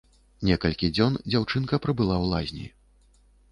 Некалькі дзён дзяўчынка прабыла ў лазні.